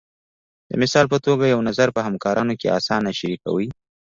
د مثال په توګه یو نظر په همکارانو کې اسانه شریکوئ.